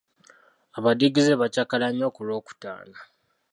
Abaddigize bakyakala nnyo ku lwokutaano.